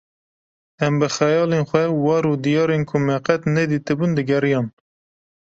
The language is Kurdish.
em bi xeyalên xwe war û diyarên ku me qet nedîtibûn digeriyan